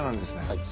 はい。